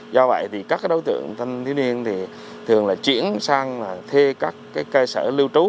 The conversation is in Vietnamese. do vậy các đối tượng thanh niên thường chuyển sang thê các cơ sở lưu trú